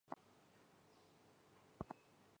长苞羊耳蒜为兰科羊耳蒜属下的一个种。